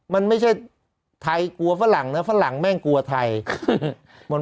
มันไม่ใช่ไทยกลัวฝรั่งนะฝรั่งแม่งกลัวไทย